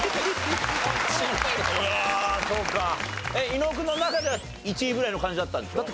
伊野尾君の中では１位ぐらいの感じだったんですか？